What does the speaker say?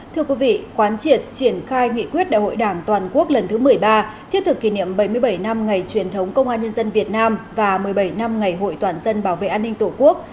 thưa quý vị quán triệt triển khai nghị quyết đại hội đảng toàn quốc lần thứ một mươi ba thiết thực kỷ niệm bảy mươi bảy năm ngày truyền thống công an nhân dân việt nam và một mươi bảy năm ngày hội toàn dân bảo vệ an ninh tổ quốc